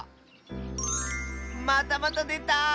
またまたでた！